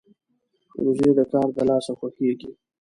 وزې د کار د لاسه خوښيږي